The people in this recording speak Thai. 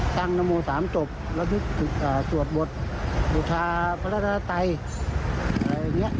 ตั้งน้ำโมสามจบแล้วนึกถึงอ่าสวดบทบุธาพระราชัยอะไรอย่างเงี้ย